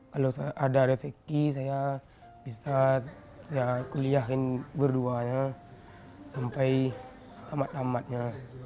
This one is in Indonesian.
kalau ada rezeki saya bisa kuliahkan berduanya sampai tamat tamatnya